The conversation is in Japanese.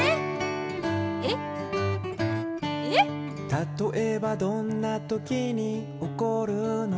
「たとえばどんな時におこるの？」